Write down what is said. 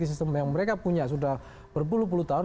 sistem yang mereka punya sudah berpuluh puluh tahun